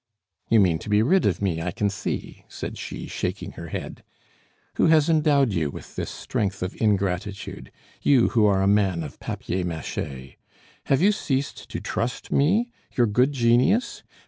"You mean to be rid of me, I can see," said she, shaking her head. "Who has endowed you with this strength of ingratitude you who are a man of papier mache? Have you ceased to trust me your good genius?